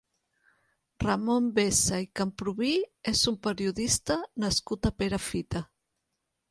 Ramon Besa i Camprubí és un periodista nascut a Perafita.